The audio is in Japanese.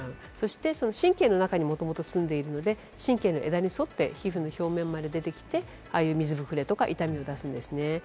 そして神経の中にもともと住んでいるので、神経の枝に沿って、皮膚の表面にまで出てきて水ぶくれとか痛みを出すんです。